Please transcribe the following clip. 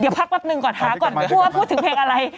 เดี๋ยวพักแป๊บหนึ่งก่อนหาก่อนพูดว่าพูดถึงเพลงอะไร